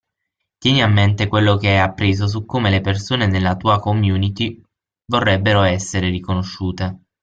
Tieni a mente quello che hai appreso su come le persone nella tua community vorrebbero essere riconosciute.